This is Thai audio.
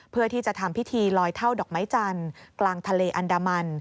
เพื่อที่จะทำพิธีลอยเท่าดอกไม้จันทร์กลางทะเลอันดามัน